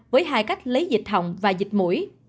với hai cách lấy dịch hỏng và dịch mũi